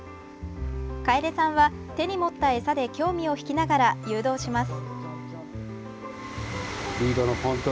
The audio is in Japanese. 楓さんは手に持った餌で興味を引きながら誘導します。